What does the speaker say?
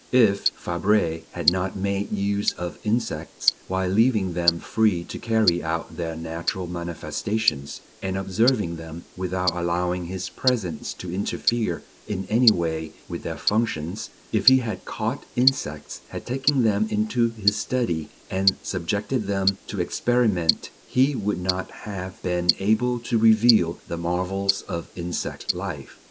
If Fabre had not made use of insects, while leaving them free to carry out their natural manifestations, and observing them without allowing his presence to interfere in any way with their functions; if he had caught insects, had taken them into his study, and subjected them to experiment, he would not have been able to reveal the marvels of insect life.